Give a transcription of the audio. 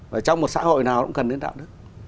và trong một xã hội nào cũng cần đến đạo đức